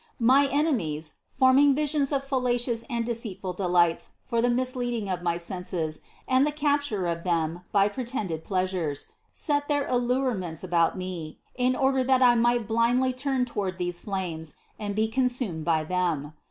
My enemies, forming vis ions of fallacious and deceitful delights for the misleading of my senses and the capture of them by pretended pleas ures, set their allurements about me, in order that I might blindly turn toward these flames and be consumed by them.